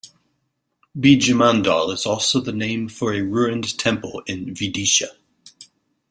Beejamandal is also the name for a ruined temple in Vidisha.